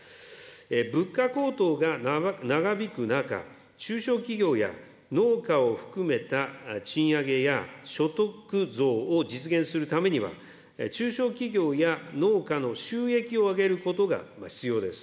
物価高騰が長引く中、中小企業や農家を含めた賃上げや所得増を実現するためには、中小企業や農家の収益を上げることが必要です。